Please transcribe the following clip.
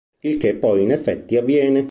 Il che poi in effetti avviene.